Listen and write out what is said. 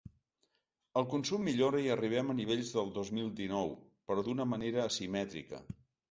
El consum millora i arribem a nivells del dos mil dinou, però d’una manera asimètrica.